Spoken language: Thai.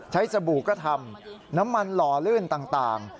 สบู่ก็ทำน้ำมันหล่อลื่นต่าง